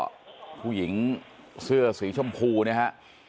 อย่างที่เจ็บก็ผู้หญิงเสื้อสีชมพูเนี่ยฮะ